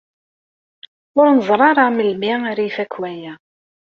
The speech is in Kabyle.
Ur neẓri ara melmi ara ifak waya.